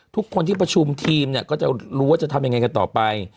ทุกคนที่ประชุมทีมเนี่ยก็จะรู้ว่าจะทำยังไงกันต่อไป